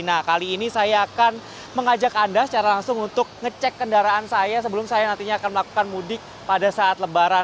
nah kali ini saya akan mengajak anda secara langsung untuk ngecek kendaraan saya sebelum saya nantinya akan melakukan mudik pada saat lebaran